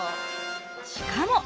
しかも。